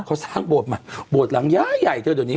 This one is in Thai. เขาสร้างโบสถ์มาโบสถ์หลังย่าใหญ่เธอเดี๋ยวนี้